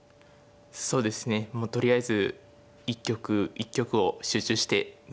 そうですねもうとりあえず一局一局を集中して頑張っていきたいです。